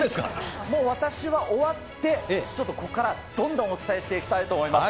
もう私は終わって、ちょっとここからどんどんお伝えしていきたいと思います。